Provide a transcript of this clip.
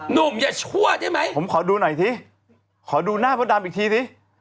หนุ่มอย่าชั่วได้ไหมผมขอดูหน่อยสิขอดูหน้ามดดำอีกทีสิ